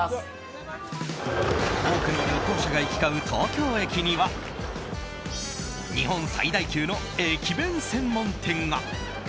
多くの旅行者が行き交う東京駅には日本最大級の駅弁専門店が。